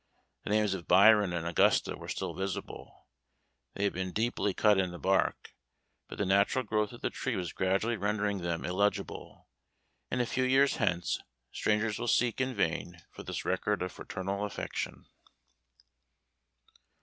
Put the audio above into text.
The names of BYRON and AUGUSTA were still visible. They had been deeply cut in the bark, but the natural growth of the tree was gradually rendering them illegible, and a few years hence, strangers will seek in vain for this record of fraternal affection.